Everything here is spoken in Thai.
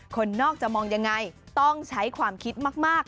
คนนอกจะมองยังไงต้องใช้ความคิดมาก